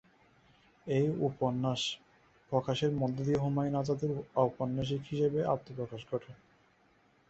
এই উপন্যাস প্রকাশের মধ্য দিয়ে হুমায়ুন আজাদের ঔপন্যাসিক হিসেবে আত্মপ্রকাশ ঘটে।